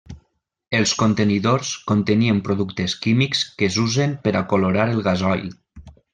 Els contenidors contenien productes químics que s'usen per a colorar el gasoil.